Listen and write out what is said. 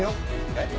えっ？